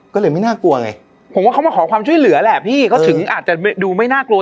ก็เลยไม่น่ากลัวไงผมว่าเขามาขอความช่วยเหลือแหละพี่ก็ถึงอาจจะดูไม่น่ากลัว